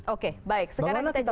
oke baik sekarang kita juga dulu